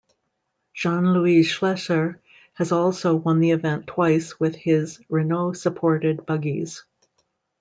Jean-Louis Schlesser has also won the event twice with his Renault-supported buggies.